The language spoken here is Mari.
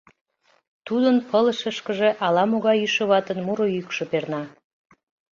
Тудын пылышышкыже ала-могай йӱшӧ ватын муро йӱкшӧ перна: